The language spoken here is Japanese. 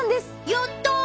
やった！